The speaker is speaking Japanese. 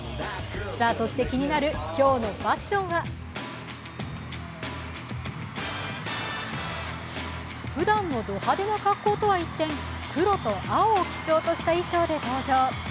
さあ、そして気になる今日のファッションはふだんのド派手な格好とは一転、黒と青を基調とした衣装で登場。